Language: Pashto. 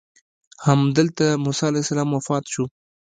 همدلته موسی علیه السلام وفات شو.